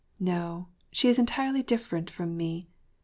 " No, she is entirely different from me.